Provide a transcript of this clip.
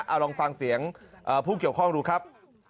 เอาลองฟังเสียงผู้เกี่ยวข้องดูครับ